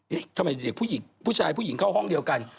เฮ่ยทำไมเด็กผู้ชายผู้หญิงเข้าห้องเดียวกัน